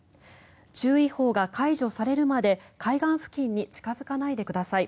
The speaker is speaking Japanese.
注意報が解除されるまで海岸付近に近付かないでください。